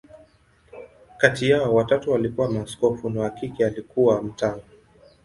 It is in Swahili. Kati yao, watatu walikuwa maaskofu, na wa kike alikuwa mtawa.